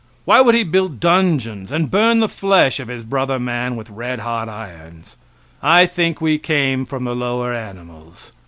Why would he build dungeons and burn the flesh of his brother man with red hot irons? I think we came from the lower animals.